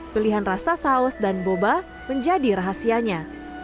pilihan rasa saus dan boba menjadi rahasianya